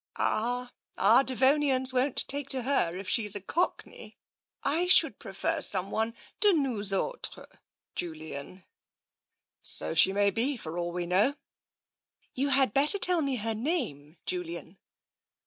"Ah, our Devonians won't take to her if she's a Cockney. I should prefer some one de nous autres, Julian." " So she may be, for all we know." "You had better tell me her name, Julian."